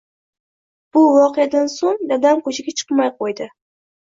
Bu voqeadan soʻng dadam koʻchaga chiqmay qoʻydi.